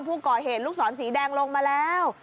ผู้ก่อเหตุลูกศรสีแดงลงมาแล้ว